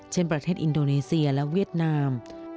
เช่นประเทศอินโดนีเซียและเวียดนาม